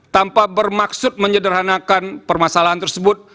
tanpa bermaksud menyederhanakan permasalahan tersebut